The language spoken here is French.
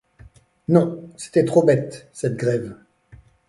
Non, c’était trop bête, cette grève!